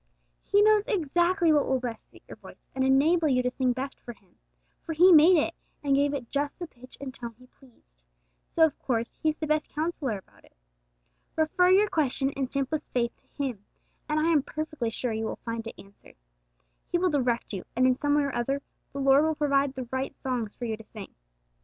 He knows exactly what will best suit your voice and enable you to sing best for Him; for He made it, and gave it just the pitch and tone He pleased, so, of course, He is the best counsellor about it. Refer your question in simplest faith to Him, and I am perfectly sure you will find it answered. He will direct you, and in some way or other the Lord will provide the right songs for you to sing.